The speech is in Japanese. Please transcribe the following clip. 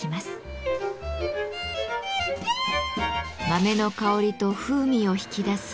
豆の香りと風味を引き出す「焙煎」。